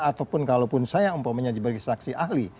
ataupun saya yang menyajikan saksi ahli